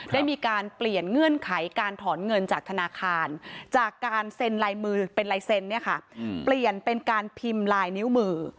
ได้มีการเปลี่ยนเงื่อนไขการถอนเงินจากธนาคารจากการเซ็นลายมือเป็นลายเซ็นต์เปลี่ยนเป็นการพิมพ์ลายนิ้วมือ